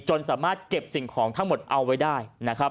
จนสามารถเก็บสิ่งของทั้งหมดเอาไว้ได้